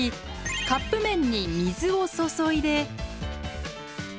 カップ麺に水を注いで。